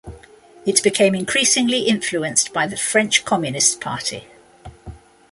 It became increasingly influenced by the French Communist Party.